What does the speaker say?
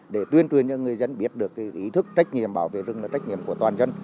để tuyên truyền cho người dân biết được ý thức trách nhiệm bảo vệ rừng là trách nhiệm của toàn dân